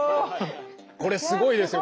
これすごいですよ。